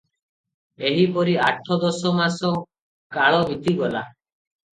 ଏହିପରି ଆଠ ଦଶ ମାସ କାଳ ବିତିଗଲା ।